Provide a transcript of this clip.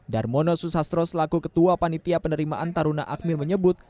darmono susastro selaku ketua panitia penerimaan taruna akmil menyebut